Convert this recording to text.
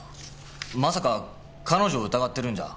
まさか彼女を疑ってるんじゃ？